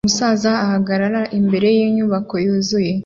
Umusaza ahagarara imbere yinyubako yuzuye